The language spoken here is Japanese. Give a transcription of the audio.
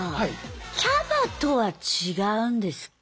キャバとは違うんですか？